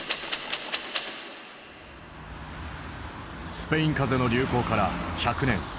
スペイン風邪の流行から１００年。